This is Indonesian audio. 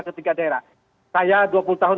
ke tiga daerah saya dua puluh tahun